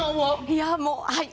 いやもうはい！